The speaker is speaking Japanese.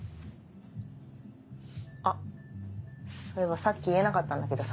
あっそういえばさっき言えなかったんだけどさ。